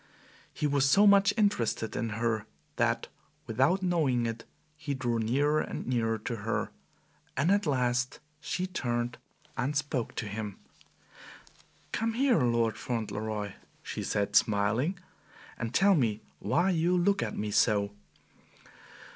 He was so much interested in her that without knowing it he drew nearer and nearer to her, and at last she turned and spoke to him. "Come here, Lord Fauntleroy," she said, smiling; "and tell me why you look at me so."